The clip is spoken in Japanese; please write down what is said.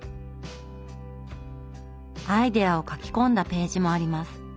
アイデアを書き込んだページもあります。